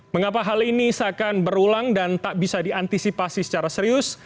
mengapa hal ini seakan berulang dan tak bisa diantisipasi secara serius